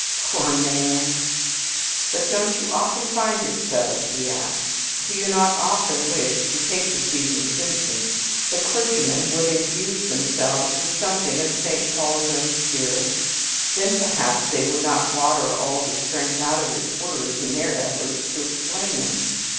"Poor man!" "But don't you often find it so?" he asked. "Do you not often wish, to take this evening's instance, that clergymen would infuse themselves with something of St. Paul's own spirit? Then perhaps they would not water all the strength out of his words in their efforts to explain them."